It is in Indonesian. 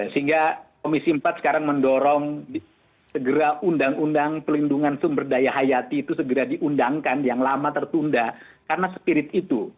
sehingga komisi empat sekarang mendorong segera undang undang pelindungan sumber daya hayati itu segera diundangkan yang lama tertunda karena spirit itu